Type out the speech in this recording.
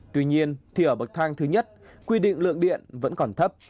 tuy nhiên thì ở bậc thang thứ nhất quy định lượng điện vẫn còn thấp